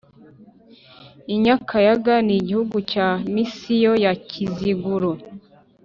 I Nyakayaga ni igihugu cya Misiyoni ya Kiziguro